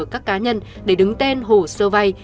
các cá nhân để đứng tên hồ sơ vay